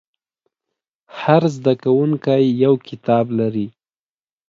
هر زده کوونکی یو کتاب لري.